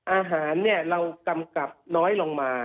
อาหารเรากำกับน้อยลงมา